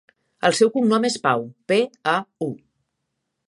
El seu cognom és Pau: pe, a, u.